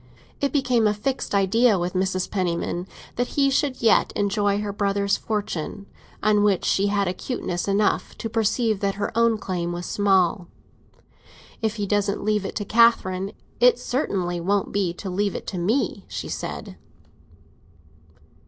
It became a fixed idea with Mrs. Penniman that he should yet enjoy her brother's fortune, on which she had acuteness enough to perceive that her own claim was small. "If he doesn't leave it to Catherine, it certainly won't be to leave it to me," she said.